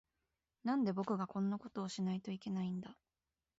なんで、僕がこんなことをしないといけないんだ。